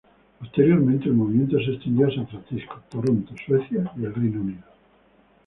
Posteriormente el movimiento se extendió a San Francisco, Toronto, Suecia y Reino Unido.